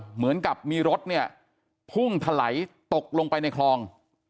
เหมือนกับมีรถเนี่ยพุ่งถลายตกลงไปในคลอง